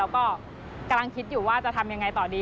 แล้วก็กำลังคิดอยู่ว่าจะทำยังไงต่อดี